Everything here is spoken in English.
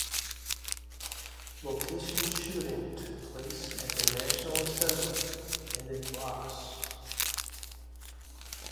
Location shooting took place at the National Assembly and in Blois.